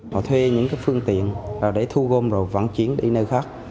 họ thuê những phương tiện để thu gom và vắng chiến đến nơi khác